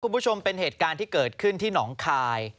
คุณผู้ชมเป็นเหตุการณ์ที่เกิดขึ้นที่หนองคาย